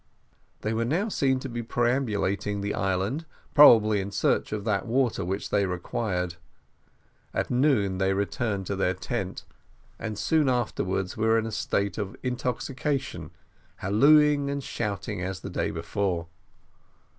They were now seen to be perambulating the island, probably in search of that water which they required. At noon, they returned to their tent, and soon afterwards were in a state of intoxication, hallooing and shouting as the day before.